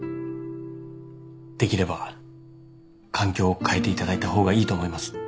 できれば環境を変えていただいた方がいいと思います。